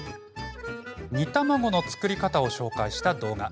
煮卵の作り方を紹介した動画。